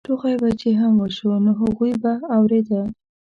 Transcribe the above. ټوخی به چې هم وشو نو هغوی به اورېده.